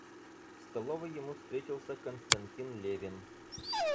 В столовой ему встретился Константин Левин.